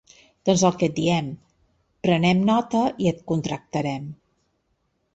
Doncs el que et diem: prenem nota i et contactarem.